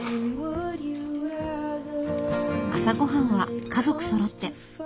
朝ごはんは家族そろって。